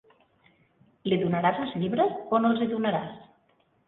Li donaràs els llibres o no els hi donaràs?